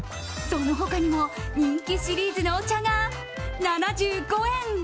その他にも人気シリーズのお茶が７５円。